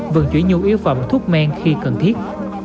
vận chuyển nhu yếu phẩm thuốc men khi cần thiết